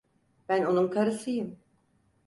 Ben onun karısıyım.